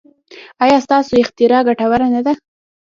ایا ستاسو اختراع ګټوره نه ده؟